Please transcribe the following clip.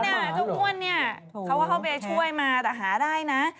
เขาว่าเข้าไปช่วยมาแต่หาได้นะ